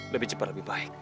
lebih cepat lebih baik